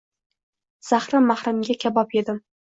zahri-mahrimga kabob edim